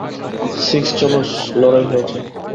Six, চলো লড়াই হয়ে যাক!